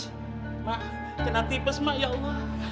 pak kena tipes mak ya allah